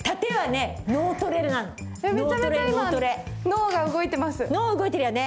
脳が動いてます。